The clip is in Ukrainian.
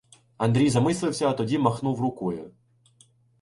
Андрій замислився, а тоді махнув рукою.